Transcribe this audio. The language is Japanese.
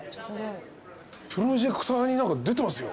プロジェクターに何か出てますよ。